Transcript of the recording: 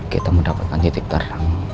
kita mendapatkan titik terang